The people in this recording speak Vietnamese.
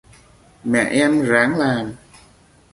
mẹ em ráng làm